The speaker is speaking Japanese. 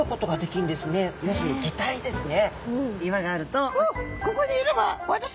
要するに擬態ですね。